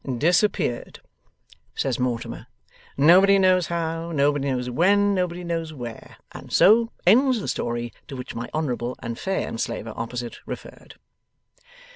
'Disappeared,' says Mortimer. 'Nobody knows how, nobody knows when, nobody knows where. And so ends the story to which my honourable and fair enslaver opposite referred.